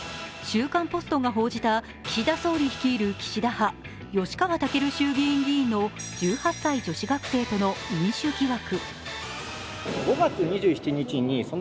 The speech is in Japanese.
「週刊ポスト」が報じた、岸田総理率いる岸田派、吉川赳衆議院議員の１８歳女子学生との飲酒疑惑。